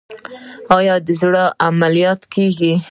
آیا د زړه عملیات کیږي؟